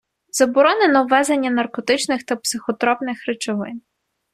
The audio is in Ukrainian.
Заборонено ввезення наркотичних та психотропних речовин.